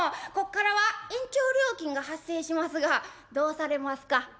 こっからは延長料金が発生しますがどうされますか。